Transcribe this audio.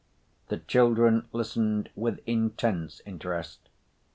The children listened with intense interest.